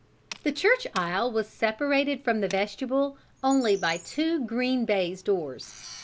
The church aisle was separated from the vestibule only by two green baize doors.